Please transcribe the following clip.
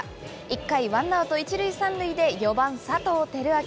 １回、ワンアウト１塁３塁で、４番佐藤輝明。